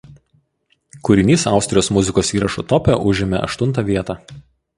Kūrinys Austrijos muzikos įrašų tope užėmė aštuntą vietą.